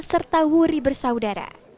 serta wuri bersaudara